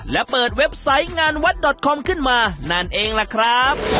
และเปิดเว็บไซต์งานวัดดอตคอมขึ้นมานั่นเองล่ะครับ